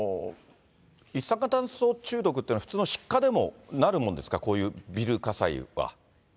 一酸化炭素中毒というのは、普通の失火でもなるものですか、こういうビル火災は。